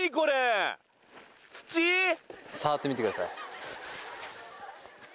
触ってみてください。